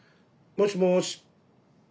もしもし。